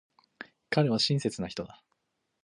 彼は親切な人だ。